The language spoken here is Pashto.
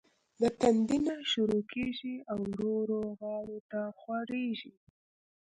د تندي نه شورو کيږي او ورو ورو غاړو ته خوريږي